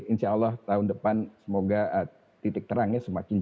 insya allah tahun depan semoga titik terangnya semakin jauh